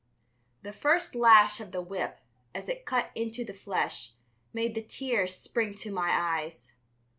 "] The first lash of the whip, as it cut into the flesh, made the tears spring to my eyes.